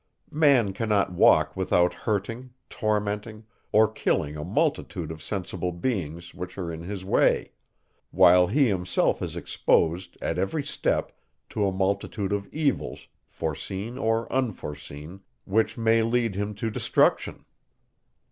Man cannot walk without hurting, tormenting, or killing a multitude of sensible beings, which are in his way; while he himself is exposed, at every step, to a multitude of evils, foreseen or unforeseen, which may lead him to destruction.